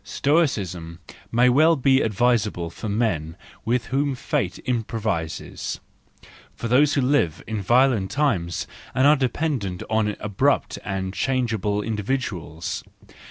Stoicism may be quite advisable for men with whom fate improvises, for thpse who live in violent times and are dependent on abrupt and change¬ able individuals.